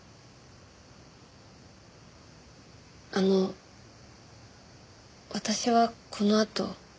あの私はこのあと。